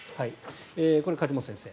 これ、梶本先生。